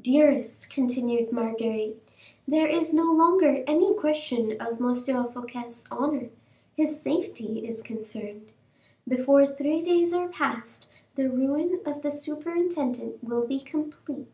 "Dearest," continued Marguerite, "there is no longer any question of M. Fouquet's honor; his safety is concerned. Before three days are passed the ruin of the superintendent will be complete."